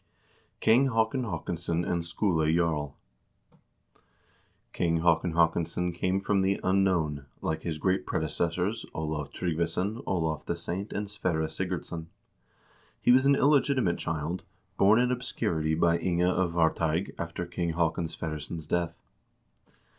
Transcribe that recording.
King Haakon Haakonsson and Skule Jarl King Haakon Haakonsson came from the unknown like his great predecessors Olav Tryggvason, Olav the Saint, and Sverre Sigurds son. He was an illegitimate child, born in obscurity by Inga of Varteig after King Haakon Sverresson's death.